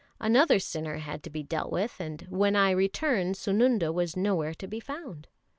Another sinner had to be dealt with, and when I returned Sununda was nowhere to be found.